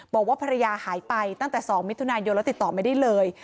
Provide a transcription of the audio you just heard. บอกว่าภรรยาหายไปตั้งแต่๒มิถุนายนแล้วติดต่อไม่ได้เลย